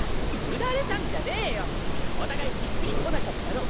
フラれたんじゃねえよ！お互いしっくりこなかったの！